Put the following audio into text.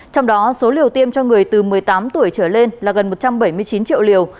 trong đó số liều tiêm cho người từ một mươi tám tuổi trở lên là gần một trăm bảy mươi chín triệu liều